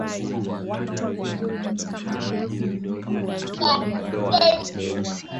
Baba yangu alikuwa mwanamuziki mkubwa ambaye hakuweza kamwe kutimiza ndoto yake.